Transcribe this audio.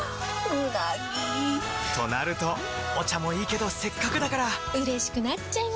うなぎ！となるとお茶もいいけどせっかくだからうれしくなっちゃいますか！